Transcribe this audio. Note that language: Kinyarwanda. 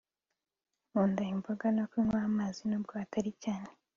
nkunda imboga no kunywa amazi nubwo atari cyane